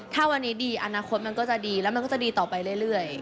ถ้าวันนี้ดีอนาคตมันก็จะดีแล้วมันก็จะดีต่อไปเรื่อย